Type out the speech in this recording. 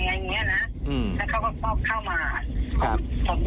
ผมจะช่วยคดีนี้ผมว่ามันหลักฐานจากตำรวจมันอ่อน